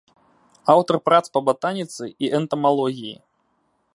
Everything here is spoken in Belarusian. Аўтар прац па батаніцы і энтамалогіі.